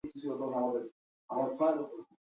শুনেন, এখানে কি ঘটবে আপনার কোন ধারণাই নেই!